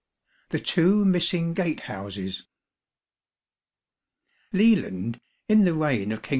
The Two Missing Gatehouses. Leland, in the reign of King.